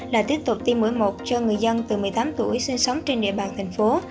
là tiếp tục tiêm mũi một cho người dân từ một mươi tám tuổi sinh sống trên địa bàn thành phố